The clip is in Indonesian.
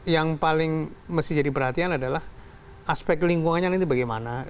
yang paling mesti jadi perhatian adalah aspek lingkungannya nanti bagaimana